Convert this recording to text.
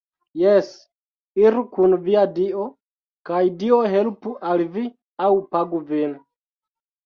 Jes, iru kun via Dio kaj Dio helpu al vi aŭ pagu vin